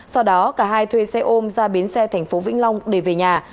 sau đó cả hai thuê xe ôm ra biến xe thành phố vĩnh long để về nhà